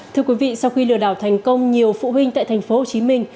thưa quý vị sau khi lừa đảo thành công nhiều phụ huynh tại thành phố hồ chí minh